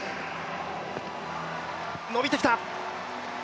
伸びてきた。